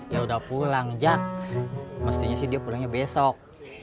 ya udah pulang jak mestinya sih dia pulangnya besok